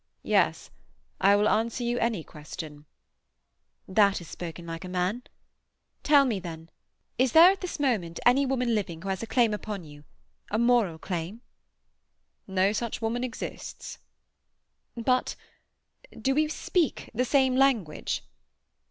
"Yes. I will answer you any question." "That is spoken like a man. Tell me then—is there at this moment any woman living who has a claim upon you—a moral claim?" "No such woman exists." "But—do we speak the same language?"